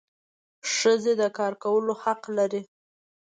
ښځي د کار کولو حق لري.